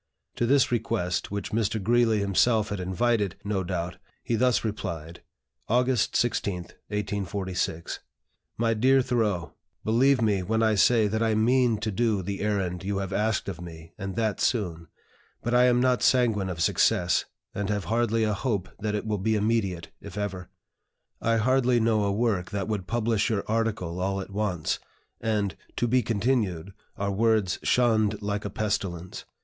To this request, which Mr. Greeley himself had invited, no doubt, he thus replied: "August 16, 1846. "MY DEAR THOREAU, Believe me when I say that I mean to do the errand you have asked of me, and that soon. But I am not sanguine of success, and have hardly a hope that it will be immediate, if ever. I hardly know a work that would publish your article all at once, and 'to be continued' are words shunned like a pestilence.